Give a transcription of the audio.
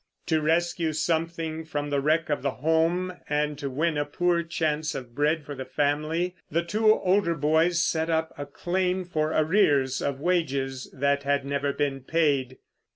To rescue something from the wreck of the home, and to win a poor chance of bread for the family, the two older boys set up a claim for arrears of wages that had never been paid.